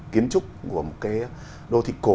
kiến trúc của một cái đô thị cổ